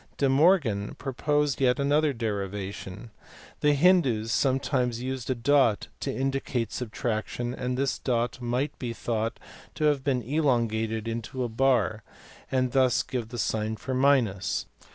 De Morgan * proposed yet another derivation. The Hindoos sometimes used a dot to indicate subtraction, and this dot might he thought have been elongated into a bar, and thus give the sign for minus ; while * See p.